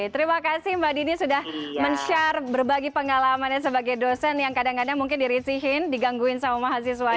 terima kasih mbak dini sudah men share berbagi pengalamannya sebagai dosen yang kadang kadang mungkin dirisihin digangguin sama mahasiswanya